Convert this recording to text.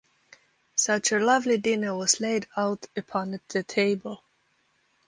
Such a lovely dinner was laid out upon the table!